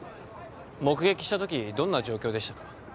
目撃したときどんな状況でしたか？